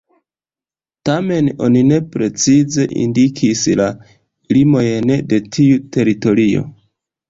Tamen, oni ne precize indikis la limojn de tiu teritorio.